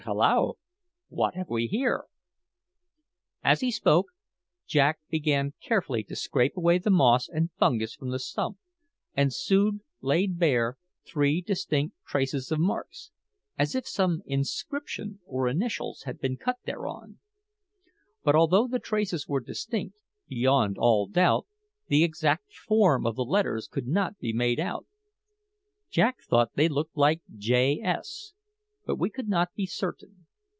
But, hallo! what have we here?" As he spoke Jack began carefully to scrape away the moss and fungus from the stump, and soon laid bare three distinct traces of marks, as if some inscription or initials had been cut thereon. But although the traces were distinct, beyond all doubt, the exact form of the letters could not be made out. Jack thought they looked like JS, but we could not be certain.